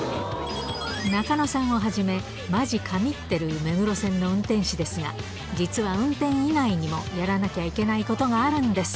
中野さんをはじめ、マジ神ってる目黒線の運転手ですが、実は運転以外にもやらなきゃいけないことがあるんです。